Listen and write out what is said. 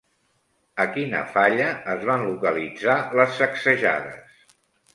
A quina falla es van localitzar les sacsejades?